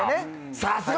さすが！